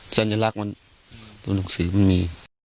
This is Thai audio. ถ้ามันตัวหนังสือมันมี